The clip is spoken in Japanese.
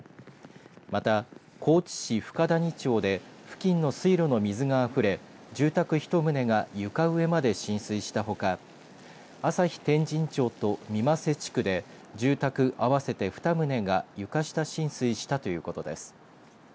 また、高知市深谷町で付近の水路の水があふれ住宅１棟が床上まで浸水したほか旭天神町と御畳瀬地区で住宅、合わせて２棟が床下浸水したということです。